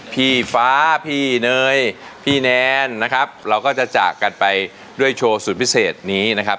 พี่ฟ้าพี่เนยพี่แนนนะครับเราก็จะจากกันไปด้วยโชว์สุดพิเศษนี้นะครับ